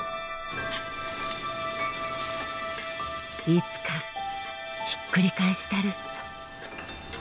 いつかひっくり返したる。